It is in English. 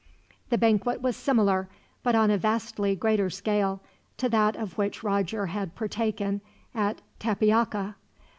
The banquet was similar, but on a vastly greater scale, to that of which Roger had partaken at Tepeaca.